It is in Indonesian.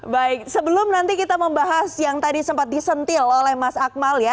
baik sebelum nanti kita membahas yang tadi sempat disentil oleh mas akmal ya